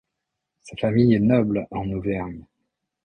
Sa famille est noble en Auvergne.